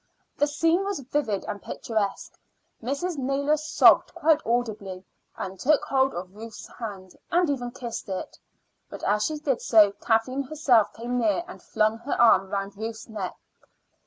The scene was vivid and picturesque. Mrs. Naylor sobbed quite audibly, and took hold of Ruth's hand, and even kissed it. But as she did so Kathleen herself came near and flung her arm round Ruth's neck.